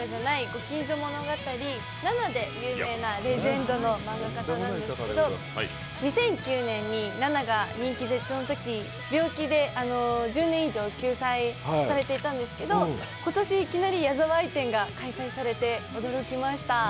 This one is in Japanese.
「ご近所物語」などで有名なレジェンド漫画家なんですけど２００９年に「ＮＡＮＡ」が人気絶頂のとき病気で１０年以上、休載されていたんですけど今年、いきなり矢沢あい展が開催されて驚きました。